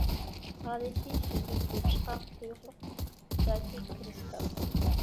ھالىتى: سۈزۈك، يېپىشقاق سۇيۇقلۇق ياكى كىرىستال.